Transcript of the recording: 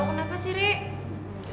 mungkin butuh istirahat aja